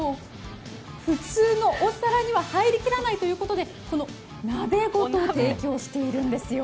普通のお皿には入りきらないということで、鍋ごと提供しているんですよ。